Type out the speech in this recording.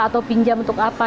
atau pinjam untuk apa